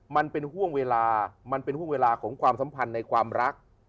มันเป็นห่วงเวลามันเป็นห่วงเวลาของความสัมพันธ์ในความรัก